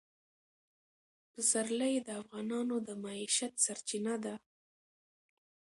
پسرلی د افغانانو د معیشت سرچینه ده.